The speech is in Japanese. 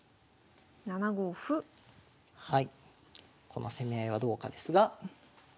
この攻め合いはどうかですが。